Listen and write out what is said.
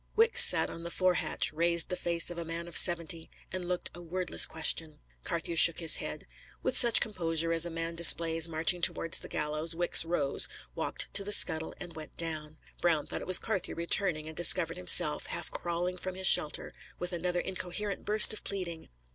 Wicks sat on the fore hatch, raised the face of a man of seventy, and looked a wordless question. Carthew shook his head. With such composure as a man displays marching towards the gallows, Wicks arose, walked to the scuttle, and went down. Brown thought it was Carthew returning, and discovered himself, half crawling from his shelter, with another incoherent burst of pleading.